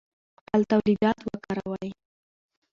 خپل تولیدات وکاروئ.